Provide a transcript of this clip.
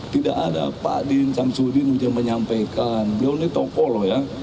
tidak ada pak din sam sudin sudah menyampaikan dia ini tokoh loh ya